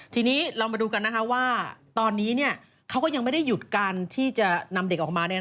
ทีนี้เรามาดูกันว่าตอนนี้เขาก็ยังไม่ได้หยุดการที่จะนำเด็กออกมา